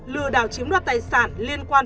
lừa đảo chiếm đoạt tài sản liên quan